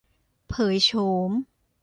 เผยโฉม